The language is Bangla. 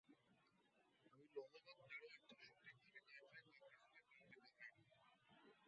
আমি লৌহবৎ দৃঢ় ইচ্ছাশক্তি ও হৃদয় চাই, যা কিছুতেই কম্পিত হয় না।